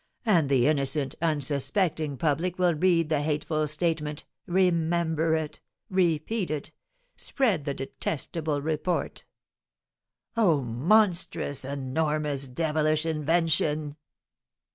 And the innocent, unsuspecting public will read the hateful statement remember it repeat it spread the detestable report! Oh, monstrous, enormous, devilish invention!